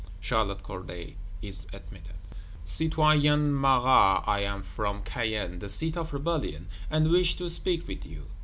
Charlotte Corday is admitted. Citoyen Marat, I am from Caen the seat of rebellion, and wished to speak with you.